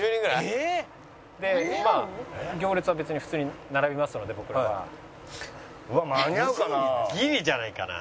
まあ行列は別に普通に並びますので僕らは。間に合うかな？